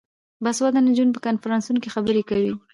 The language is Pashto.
باسواده نجونې په کنفرانسونو کې خبرې کوي.